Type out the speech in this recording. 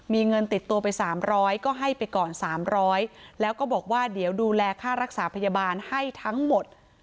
มีเงินติดตัวไป๓๐๐ก็ให้ไปก่อน๓๐๐แล้วก็บอกว่าเดี๋ยวดูแลค่ารักษาพยาบาลให้ทั้งหมด